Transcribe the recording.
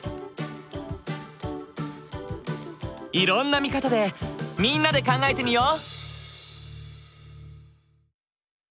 いろんな見方でみんなで考えてみよう！